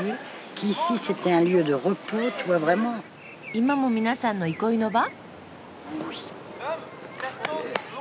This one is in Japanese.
今も皆さんの憩いの場？